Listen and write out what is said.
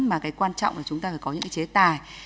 mà cái quan trọng là chúng ta phải có những cái chế tài